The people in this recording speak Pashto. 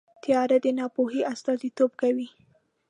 تیاره د ناپوهۍ استازیتوب کوي.